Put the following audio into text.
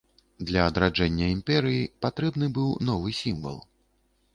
Для адраджэння імперыі патрэбны быў новы сімвал.